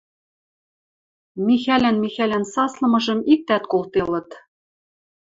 Михӓлӓн Михӓлӓн саслымыжым иктӓт колделыт.